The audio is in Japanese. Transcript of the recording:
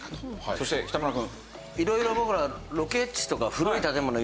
そして北村くん。